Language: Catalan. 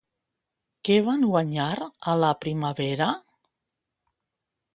Què van guanyar a la primavera?